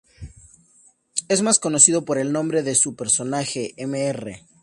Es más conocido por el nombre de su personaje Mr.